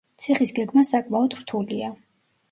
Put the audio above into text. ციხის გეგმა საკმაოდ რთულია.